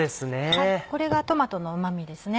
これがトマトのうま味ですね。